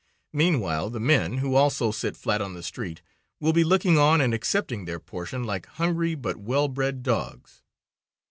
Meanwhile the men, who also sit flat on the street, will be looking on and accepting their portion like hungry, but well bred, dogs.